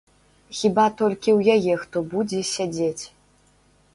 Хіба толькі ў яе хто будзе сядзець.